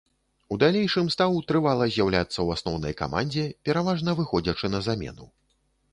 У далейшым стаў трывала з'яўляцца ў асноўнай камандзе, пераважна выходзячы на замену.